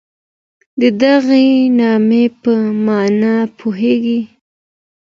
د دغي نامې په مانا پوهېږئ؟